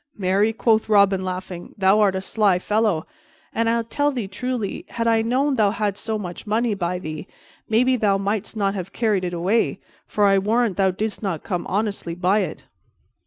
"Marry," quoth Robin, laughing, "thou art a sly fellow, and I tell thee truly, had I known thou hadst so much money by thee maybe thou mightst not have carried it away, for I warrant thou didst not come honestly by it."